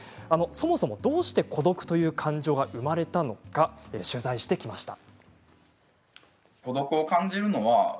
そもそもどうして孤独という感情は生まれたのか取材しました。